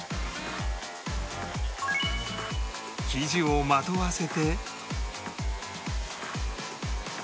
生地をまとわせて